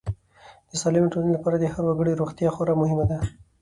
د سالمې ټولنې لپاره د هر وګړي روغتیا خورا مهمه ده.